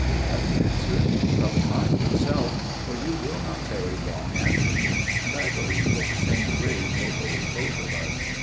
Adam answered, "Trouble not yourself; for you will not tarry long after me, and I believe that the same grave will hold both of us.